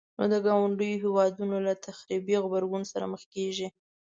نو د ګاونډيو هيوادونو له تخريبي غبرګون سره مخ کيږي.